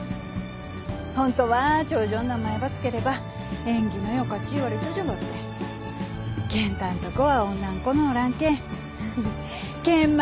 ホントは長女ん名前ば付ければ縁起の良かち言われちょじゃばってケン太んとこは女ん子のおらんけん謙丸っち付けたったい。